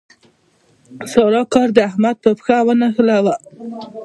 سارا کار د احمد په پښه ونښلاوو.